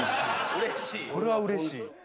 これはうれしい。